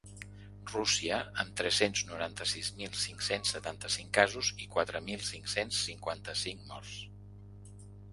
Rússia, amb tres-cents noranta-sis mil cinc-cents setanta-cinc casos i quatre mil cinc-cents cinquanta-cinc morts.